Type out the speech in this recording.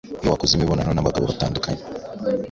iyo wakoze imibonano n’abagabo batandukanye